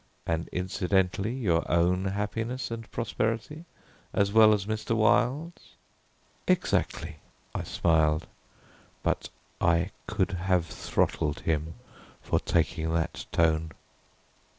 "And incidentally your own happiness and prosperity as well as Mr. Wilde's?" "Exactly," I smiled. But I could have throttled him for taking that tone.